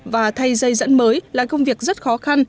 và thay dây dẫn mới là công việc rất khó khăn